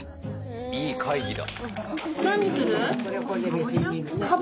いい会議だ。